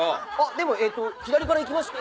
でも左からいきまして。